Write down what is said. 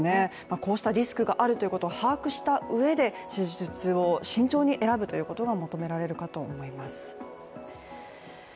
こうしたリスクがあるということを把握したうえで施術を慎重に選ぶということが、求められるかと思います。